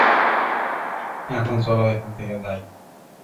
এখন চলো এখান থেকে যাই।